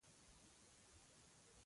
د کندوز قلا مو ونیول.